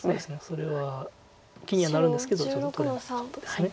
それは気にはなるんですけどちょっと取れなかったです。